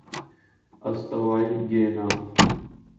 استوائی Guyana